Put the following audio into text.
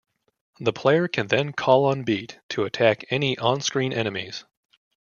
The player can then call on Beat to attack any onscreen enemies.